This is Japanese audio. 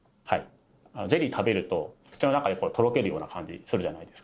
ゼリーを食べると口の中でとろけるような感じするじゃないですか。